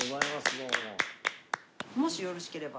もしよろしければ。